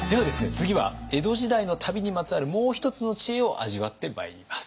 次は江戸時代の旅にまつわるもう一つの知恵を味わってまいります。